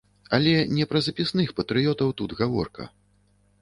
Але не пра запісных патрыётаў тут гаворка.